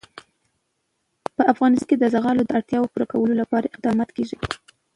په افغانستان کې د زغال د اړتیاوو پوره کولو لپاره اقدامات کېږي.